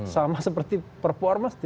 sama seperti performance